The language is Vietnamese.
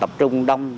tập trung đông